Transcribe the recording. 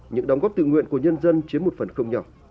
những đóng góp tự nguyện của nhân dân chiếm một phần không nhỏ